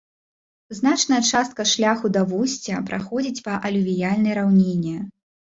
Значная частка шляху да вусця праходзіць па алювіяльнай раўніне.